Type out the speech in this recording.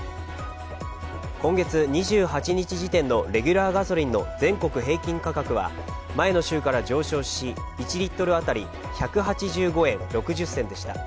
今月２８日時点のレギュラーガソリンの全国平均価格は前の週から上昇し１リットル当たり１８５円６０銭でした。